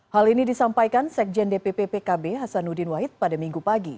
hal ini disampaikan sekjen dpp pkb hasanuddin wahid pada minggu pagi